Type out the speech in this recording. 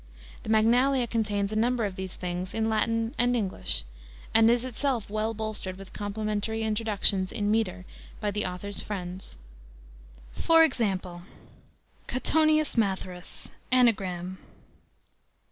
The Magnalia contains a number of these things in Latin and English, and is itself well bolstered with complimentary introductions in meter by the author's friends. For example: COTTONIUS MATHERUS. ANAGRAM.